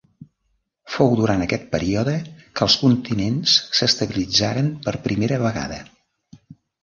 Fou durant aquest període que els continents s'estabilitzaren per primera vegada.